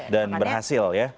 dan berhasil ya